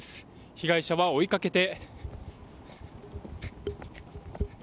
被害者は追いかけて。